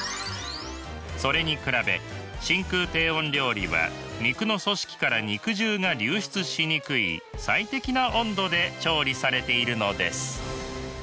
それに比べ真空低温料理は肉の組織から肉汁が流出しにくい最適な温度で調理されているのです。